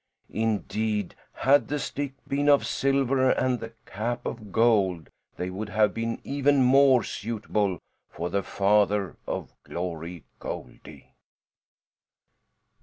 Indeed, had the stick been of silver and the cap of gold they would have been even more suitable for the father of Glory Goldie.